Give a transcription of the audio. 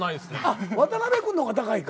あっ渡邊君の方が高いか。